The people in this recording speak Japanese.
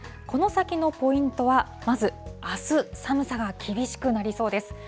この先のポイントは、まず、あす寒さが厳しくなりそうです。